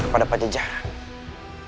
kepada paja jahat